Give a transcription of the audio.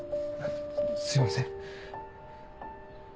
すいません。